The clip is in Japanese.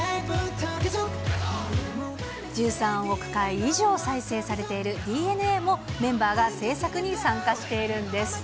１３億回以上再生されているＤＮＡもメンバーが制作に参加しているんです。